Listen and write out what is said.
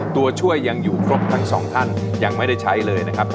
ตัวช่วยยังอยู่ครบทั้งสองท่านยังไม่ได้ใช้เลยนะครับ